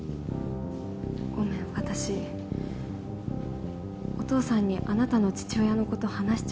ごめん私お父さんにあなたの父親の事話しちゃった。